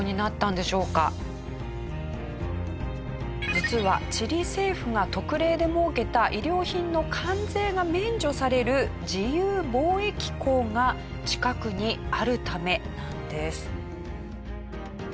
実はチリ政府が特例で設けた衣料品の関税が免除される自由貿易港が近くにあるためなんです。